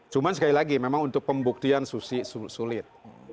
cuma sekali lagi memang untuk pembuktian sulit